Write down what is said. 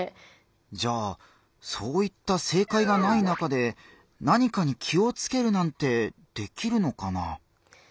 じゃあそういった正解がない中で何かに気をつけるなんてできるのかな？